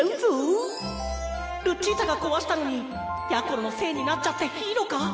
ルチータがこわしたのにやころのせいになっちゃっていいのか？